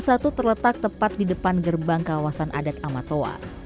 sdn tiga ratus lima puluh satu terletak tepat di depan gerbang kawasan adat amatoa